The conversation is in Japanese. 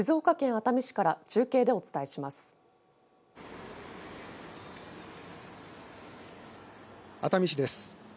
熱海市です。